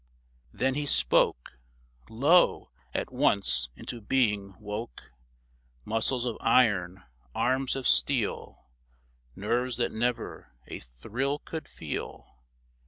Then he spoke ; Lo ! at once into being woke Muscles of iron, arms of steel, Nerves that never a thrill could feel